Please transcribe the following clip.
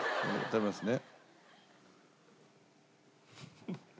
食べますね。